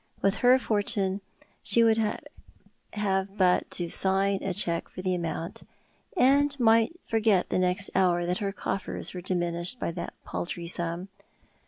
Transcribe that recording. With her fortune she would have but to sign a cheque for the amount, and might forget the next hour that her coffers were diminished by that paltry sum.